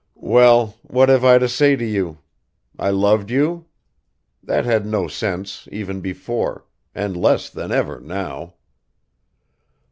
"Well, what have I to say to you ... I loved you? That had no sense even before, and less than ever now.